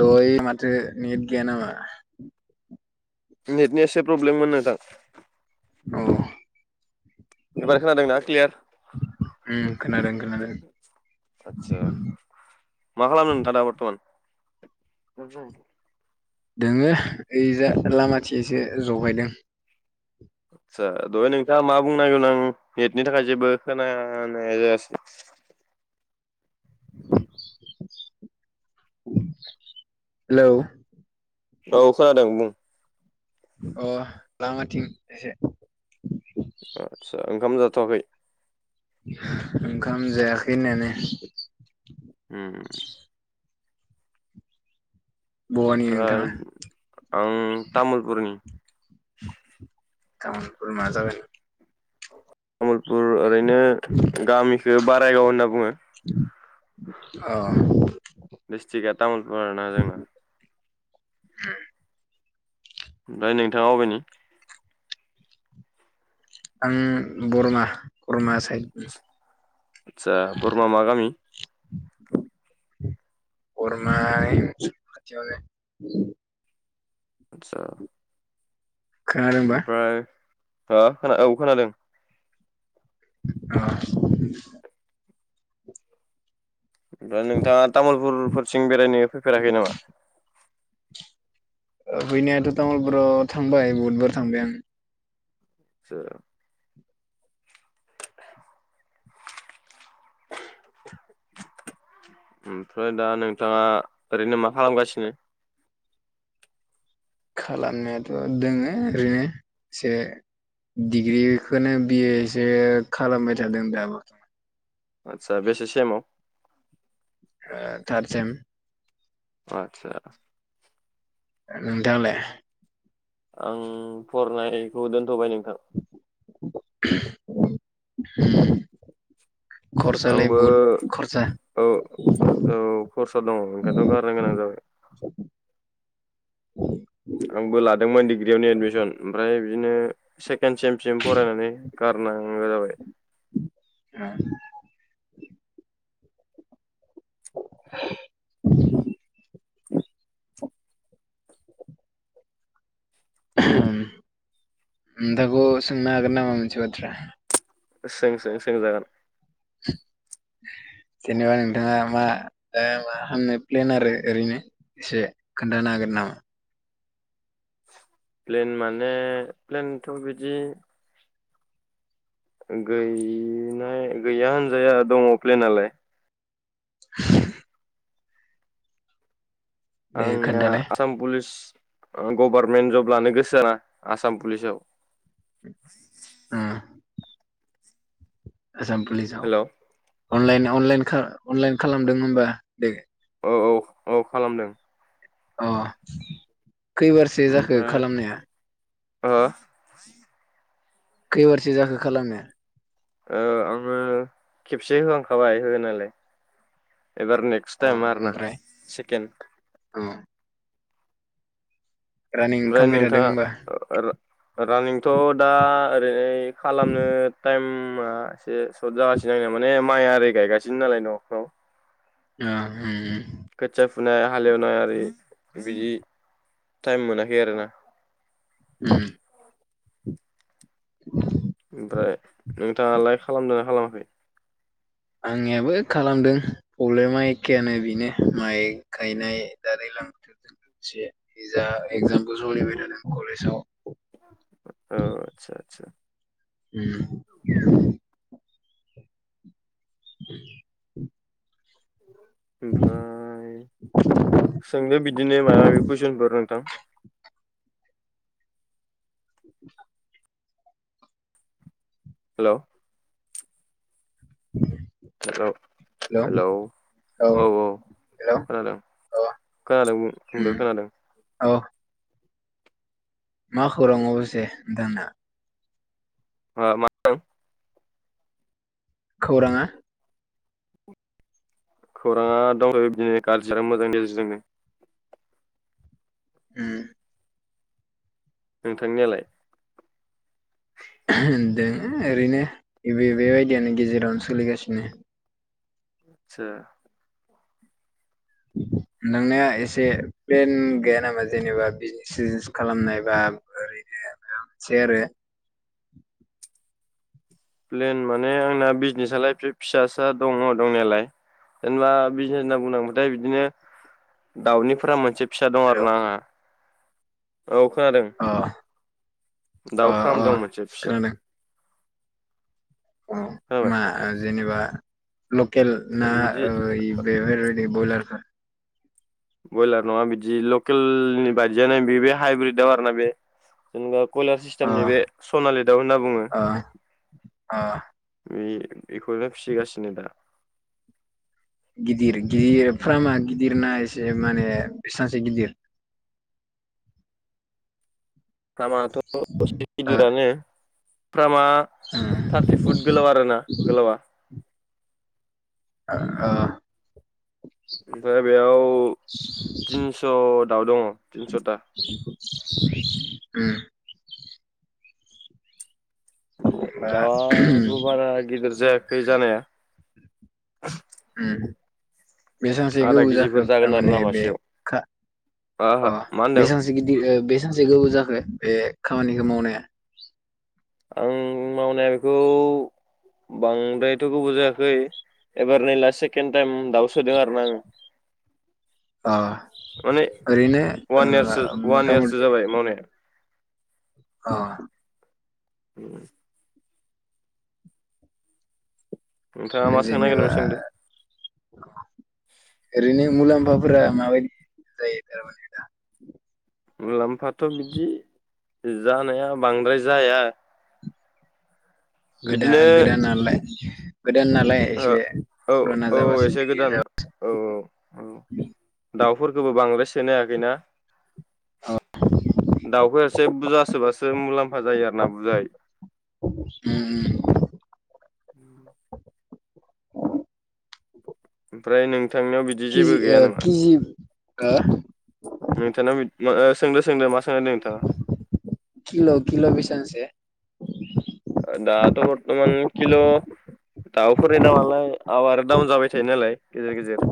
दय माथो निट गैया नामा? नेटनि एसे प्रब्लेममोन नोंथां। अ। एबार खोनादोंनाा क्लियार उम खोनादों खोनादों आतसा मा खालामदों नोंथां दा बर्थमान? [unintelligible] दोंङो ओइजा लामाथिंसो जफैदों। आतसा दहाय नोंथाङा मा बुंनांगोन आं नेटनि थाखाय जेबो खोनानाय जायासै। हेलौ। औ खोनादों बुं। अ लङाथिं एसे। आतसा ओंखाम जा थ'आखै ओंखाम जायाखै होनायानो। उम्म। बहानि ओमफ्राय नोंथाङा आं तामुलपुरनि। तामुलपुर मा जायगानि? तामुलपुर ओरैनो गामिखौ बारायगाव होनना बुङो। अ। डिस्ट्रिक्टआ तामुलपुर आरोना जोंना। उम ओमफ्राय नोंथाङा अबेनि आं बरमा बरमा साइदनि आतसा बरमा मा गामि। बरमा मुसुलपुर खाथियाव जायो। आतसा खोनादोंबा ओमफ्राय खोना औ खोनादों। [unintelligible] ओमफ्राय नोंथाङा तामुलपुरफोरथिं बेरायनो फैफेराखै नामा। फैनायाथ' तामुलपुरावआव थांबाय बहुदबार थांबाय आं। आतसा [unintelligible] ओमफ्राय दा नोंथाङा ओरैनो मा खालामगासिनो। खालामनायाथ' दोङो ओरैनो एसे डिग्रिखौनो बिएसो खालामबाय थादों दाबो। आतसा बेसे सेमाव थारदसेम। आतसासा नोंथाङालाय। आं फरायनायखौ दोनथ'बाय नों थां [unintelligible] खरसालाय आंबो बहुद खरसा औ औ खरसा दङ ओंखायनोथ' आं गारनो गोनां जाबाय। आंबो लादोंमोन डिग्रियावनो एडमिसन ओमफ्राय बिदिनो से खेन सेमसिम फरायनानै गारनांगौ जाबाय। औ [inaudible] नोंथांखौ सोंनो हागोन नामा मोनसे बाथ्रा सों सों सों जागोन जेनेबा नोंथाङा मा मा खामनो प्लेन आरो ओरैनो एसे खोन्थानो हागोन नामा प्लेन माने प्लेनथ' बिदि गैनाय गैया होनजाया दङ प्लेनलाय [inaudible] दे आंना खोन्थालाय आसाम पुलिस गभारमेन्ट जब लानो गोसोआ ना आसाम पुलिसाव उम आसाम पुलिस आव हेल' औ अनलाइन अनलाइन खा अनलाइन खालामदों होमबा। [unintelligible] औ औ औ खालामदों अ खैबारसो जाखो ओमफ्राय खालामनाया ओ खैबारसो जाखो खालामनाय औ आंङो खेबसे होखांबाय होनायलाय एबार नेक्स्ट अ टाइम आर ना ओमफ्राय सेकेन्ड अ रानिं ओमफ्राय खालामबाय थादों नोंथाङा होमबा रानिंथ दा बे खालामनो टाइम एसे सर्ट जागासिनो दंया माने माइआरि ओै गायगासिनो नालाय नफोराव अ ओम ओम खोथिया फुनाय हालेवनाय आरि बिदि टाइम मोनाखै आरोना उम [unintelligible] ओमफ्राय नोंथाङालाय खालामदों ना खालामाखै आंनियाबो खालामदों प्रब्लेमा एखेयानो बेनो माइ गायनाय दा दैलां बोथोरजों लोगोसे जा एगजामबो सोलिबाय थादों कलेजाव औ आतसा आतसा उम [unintelligible] ओमफ्राय सोंदो बिदिनो माबा माबि कुइसनफोर नोंथां हेलौ हेलौ हेलौ औ औ हेलौ खोनादों औ खोनादों बुंदों उम खोनादों औ मा खौरां अबसेजे नोंथांना ओ मा होनो खौरांङा खौरांङा दंसै बिदिनो गाज्रि जों मोजां गेजेरजोंनो उम नोंथांनियालाय ओहम दों ओरैनो बेबायदियावनो गेजेरावनो सोलिगासिनो आतसा नोंनिया एसे प्लेन गैया नामा जेनेबा बिजनेस सिजनेस खालामनाय बा ओरैनो माबा मोनसे आरो प्लेन माने आंना बिजनेसालाय फे फिसासा दंङ दंनायालाय जेनेबा बिजनेस होनना बुंनांबाथाय बिदिनो दाउनि फ्राम मोनसे फिसा दं हेलौ आरो ना आंहा औ खोनादों अ अ दाउ फ्राम अ दं मोनसे फिसा खोनादों अ खोनाबाय मा जेनेबा लकेल ना बिदि ओय बेफोरबादि ब्रयलारफोर बयलार नङा बिदि लकेलनि बायदियानो बि बे हाइब्रिद दाउ आरोना बे जेनेबा कयलार अ सिस्टेमनि बे सनालि दाउ होनना बुङो। अ अ बे बेखौनो फिसिगासिनो दा। गिदिर गिदिर फ्रामा गिदिरना एसे माने बेसेबांसो गिदिर? फ्रामाथ' [unintelligible] एसे ओ गिदिरानो। फ्रामा ओ थारटि फुट गोलाव आरोना गोलावा। ओ। ओमफ्राय बेयाव तिनस' दाव‌ दङ' थिनस'था। उम। [unintelligible] बा दाबो उम बारा गिदिर जायाखै जानाया। बेसांसो आधा गोबाव जाखो केजिफोर जागोन आरो थारमाने ना बे मासेयाव खा आहा अह मा होनदों बेसांसो गिदिर ओ बे मासे गोबाव जाखो बे खामानिखौ मावनाया? आं मावनाया बेखौ बांद्रायथ' गोबाव जायाखै एबार नै लास्ट सेकेणड टाइम दाउ सोदों आरोना आङो। अह माने ओरैनो वान उम इयारसो ओ वान मथा इयारसो मथि जाबाय मावनाया अह। उम। नोंथाङा ओ‌ मा सोंनो जेन'बा नागिरदोंमोन सोंदो ओरैनो मुलाम्फा फोरा माबायदि जायो थारमाने? मुलाम्फाथ' बिदि जानाया बांद्राय जाया। गोदा बिदिनो गोदानालाय? ओ औ औ जाबासो एसे गिदिर गोदान जाबा औ औ औ दावफोरखौबो बांद्राय सिनायाखैना? दावखौ एसे बुजा सोबासो बो मुलाम्फा जायो आरो ना बुजाय। उम। ओमफ्राय नों खिजि ओ खिजि ओ मा ओ सोंदो सोंदो मा सोंनो नागिरदों नोंथाङा किल किल बिसांसे? [unintelligible] ओ दाथ' बरथ'मान किल दावफोरनि दामालाय आफ आरो दाउन जाबाय थायो नालाय गेजेर गेजेर।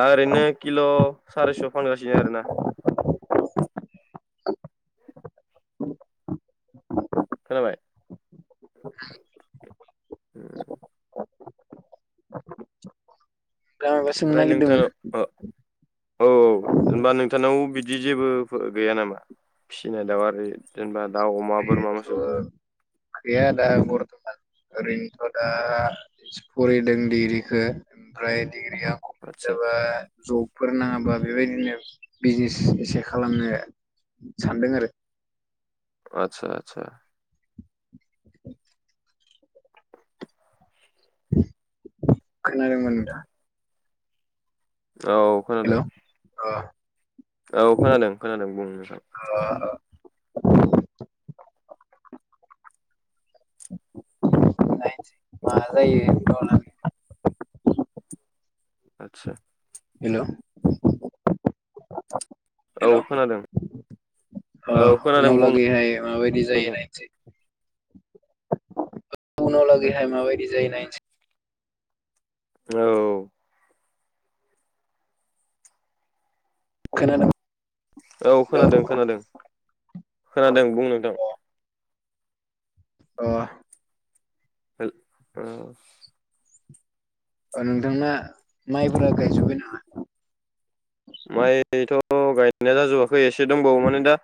दा ओरैनो किल सारिस' फानगासिनो आरोना। खोनाबाय? उम। थाङा माबा सोंनो ओमफ्राय नोंथां नागिरदोंमोन? औ औ होनबा नोंथांनाव बिदि जेबो गैया नामा फिसिनाय दाउ आरो जेनेबा दाउ अमा [unintelligible] बोरमा मोसौ ओरैनोथ' दा फरायदों डिग्रिखौ ओमफ्राय डिग्रिआ कमप्लेट आदसा जाबा जब फोर नाङाबा बेबायदिनो बिजनेस एसे खालामनो सानदों आरो आदसा आदसा। [unintelligible] खोनादोंमोन नोंथाङा? औ खोनादों। अह औ खोनादों खोनादों बुं नोंथां। अ [unintelligible] [unintelligible] आदसा हेलौ औ हेलौ खोनादों ओ औ खोनादों उनाव बुं लागैहाय माबायदि जायो नोंथां नायनोसै। उनाव लागैहाय माबायदि जायो नायसै। औ खोनादों औ हेलौ खोनादों खोनादों खोनादों बुं नोंथां। अह हेलौ ओ ओ नोंथांना माइफोरा गायजुबबाय नामा? माइथ' गायनाया जाजोबा बै एसे दंबावो माने दा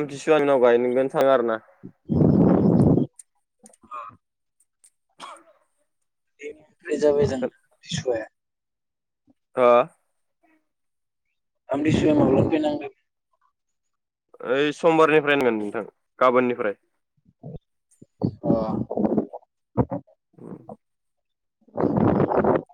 आमथिसुवानि उनाव गायनांगोन। थांगार ना औ [unintelligible] दोनै जाबाय दां आमथिसुवाया। हा आमथिसुवाया माब्लानिफ्राय नांगोन? ओइ समबारनिफ्राय होनगोन नोंथां गाबोननिफ्राय अ [unintelligible] [unintelligible]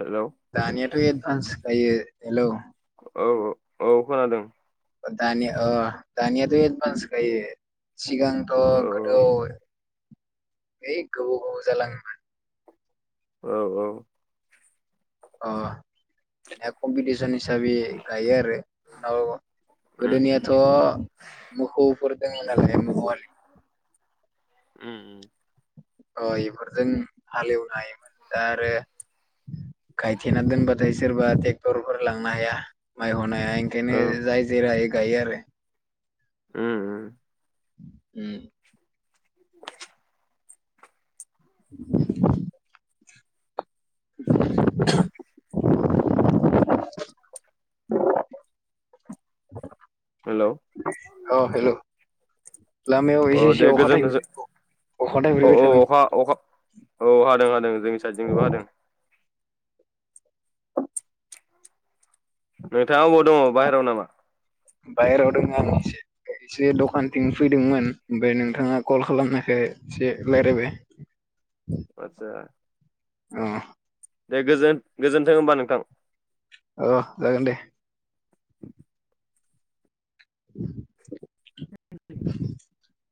हेलौ दानियाथ' एडभान्स जायो हेलौ औ औ औ खोनादों। दानिया अ दानियाथ एक मास गायो। सिगांथ' औ गोदौ ऐ गोबाव गोबाव जालाङोमोन। औ औ। अ कम्पिटिसन हिसाबै गायो आरो। नाव उम गोदोनियाथ' मोखुब। [unintelligible] उम। अ इफोरजों हालेवनो हायोमोन दा आरो गायथेना दोनबाथाय सोरबा टेक्टरफोर लांनो हाया माइ औ [unintelligible] [unintelligible] गायो आरो। उम। उम। [unintelligible] [unintelligible] [unintelligible] हेलौ। अ हेलौ। औ दे गोजोनथोंस अखा औ थाइफ्रिबाय औ थादों अखा अखा औ हादों हादों जोंनि साइदजोंबो हादों। नोंथाङा अबाव दङ बाह्रायाव नामा? बायहेरायाव दङ आं एसे एसे दखानथिं फैदोंमोन। ओमफ्राय नोंथाङा कल खालामनायखौ एसे रायलायबाय। आतसा। अ। दे गोजोन-गोजोन्थों होमबा नोंथां। अ जागोन दे। [unintelligible] [unintelligible]